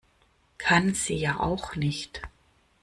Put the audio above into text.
Kann sie ja auch nicht.